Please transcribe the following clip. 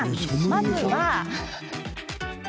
まずは？